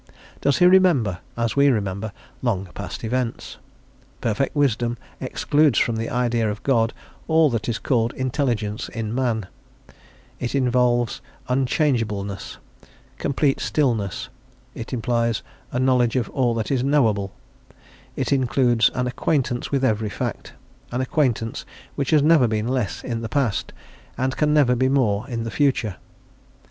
Does he remember, as we remember, long past events? Perfect wisdom excludes from the idea of God all that is called intelligence in man; it involves unchangeableness, complete stillness; it implies a knowledge of all that is knowable; it includes an acquaintance with every fact, an acquaintance which has never been less in the past, and can never be more in the future.